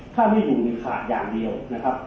ถ้าไม่อยู่คือขาดอย่างเดียวนะครับ